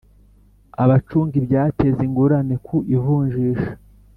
Abacunga ibyateza ingorane ku ivunjisha